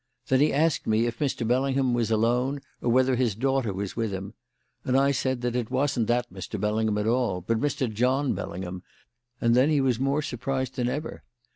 Then he asked me if Mr. Bellingham was alone or whether his daughter was with him, and I said that it wasn't that Mr. Bellingham at all, but Mr. John Bellingham, and then he was more surprised than ever.